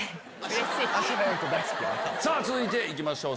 続いて行きましょう。